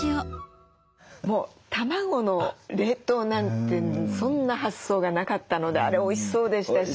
もう卵の冷凍なんてそんな発想がなかったのであれおいしそうでしたし。